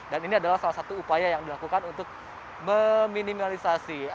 dan ini adalah salah satu upaya yang dilakukan untuk meminimalisir